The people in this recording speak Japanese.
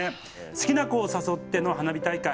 「好きな子を誘っての花火大会。